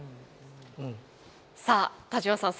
さあ田島さん